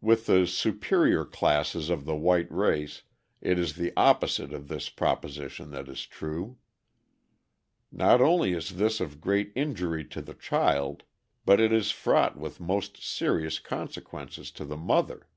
With the "superior classes" of the white race it is the opposite of this proposition that is true. Not only is this of great injury to the child, but it is fraught with most serious consequences to the mother.